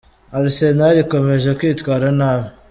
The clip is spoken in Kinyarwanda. Arisenali ikomeje kwitwara nabi